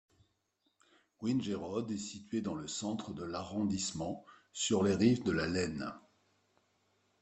Wingerode est située dans le centre de l'arrondissement, sur les rives de la Leine.